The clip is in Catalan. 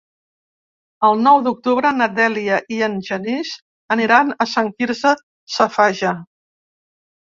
El nou d'octubre na Dèlia i en Genís aniran a Sant Quirze Safaja.